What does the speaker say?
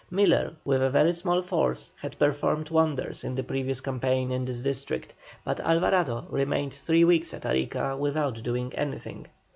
Miller, with a very small force, had performed wonders in the previous campaign in this district, but Alvarado remained three weeks at Arica without doing anything.